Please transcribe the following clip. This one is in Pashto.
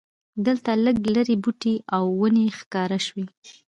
دلته لږ لرې بوټي او ونې ښکاره شوې.